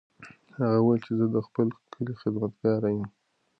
هغه وویل چې زه د خپل کلي خدمتګار یم.